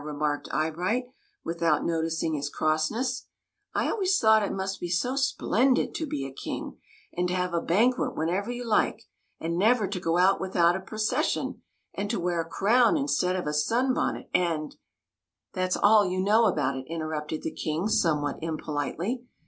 " remarked Eyebright, without noticing his crossness. " I THE MAGICIAN'S TEA PARTY 29 always thought it must be so splendid to be a King, and to have a banquet whenever you like, and never to go out without a proces sion, and to wear a crown instead of a sun bonnet, and —'*\" That s all you know about it," interrupted the King, somewhat impolitely.